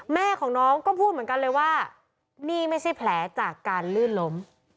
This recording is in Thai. แม่ของน้องก็พูดเหมือนกันเลยว่านี่ไม่ใช่แผลจากการลื่นล้ม